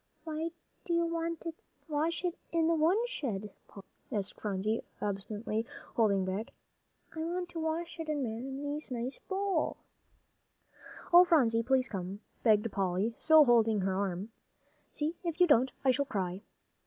"Why do you want to wash it in the woodshed, Polly?" asked Phronsie, obstinately, holding back. "I want to wash it in Mamsie's nice bowl." "Oh, Phronsie, please come," begged Polly, still holding her arm. "See, if you don't, I shall cry."